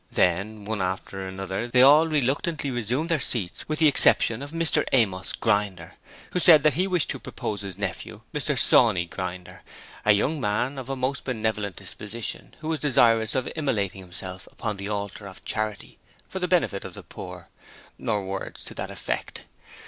Then, one after another they all reluctantly resumed their seats with the exception of Mr Amos Grinder, who said he wished to propose his nephew, Mr Sawney Grinder, a young man of a most benevolent disposition who was desirous of immolating himself upon the altar of charity for the benefit of the poor or words to that effect.